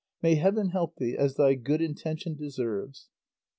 May heaven help thee as thy good intention deserves."